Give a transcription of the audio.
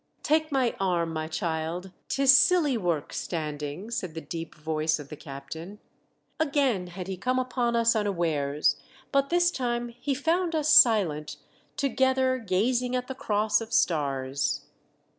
" Take my arm, my child ; 'tis ally work standing," said the deep voice of t captain. Again had he come upon us unbares, but this time he found us silent, too ctk* p azino '* O O at the Cross of stars.